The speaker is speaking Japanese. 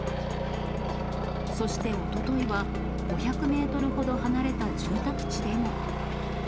そしておとといは、５００メートルほど離れた住宅地でも。